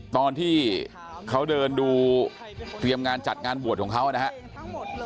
ตอนที่เขาเดินดูเตรียมงานจัดงานบวชของเขานะครับ